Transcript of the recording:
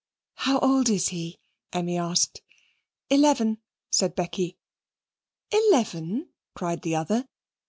"How old is he?" Emmy asked. "Eleven," said Becky. "Eleven!" cried the other.